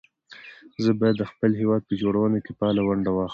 زه بايد د خپل هېواد په جوړونه کې فعاله ونډه واخلم